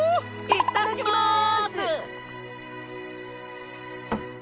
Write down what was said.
いただきます！